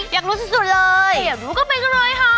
อยากรู้สุดเลยอยากรู้ก็ไปกันเลยค่ะ